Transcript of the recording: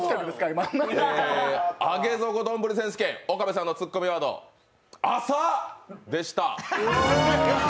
今上げ底どんぶり選手権、岡部さんのツッコミワード、「浅っ」でした。